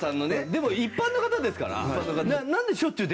でも一般の方ですから。